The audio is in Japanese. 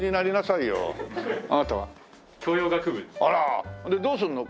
あらでどうするの？